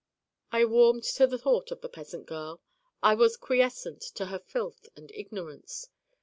I warmed to the thought of the Peasant Girl. I was quiescent to her filth and ignorance.